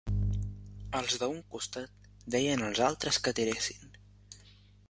Els de un costat, deien als altres que tiressin